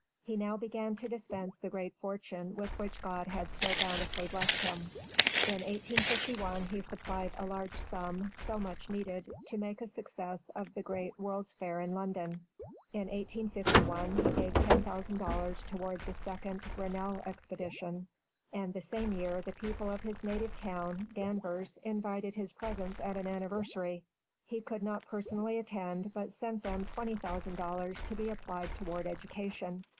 He now began to dispense the great fortune with which God had so bountifully blessed him. In 1851 he supplied a large sum, so much needed, to make a success of the great Worlds Fair in London. In 1851 he gave $10,000 toward the second Grennell expedition, and the same year the people of his native town, Danvers, invited his presence at an anniversary. He could not personally attend, but sent them $20,000 to be applied toward education.